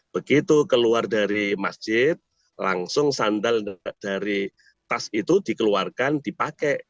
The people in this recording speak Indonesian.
begitu keluar dari masjid langsung sandal dari tas itu dikeluarkan dipakai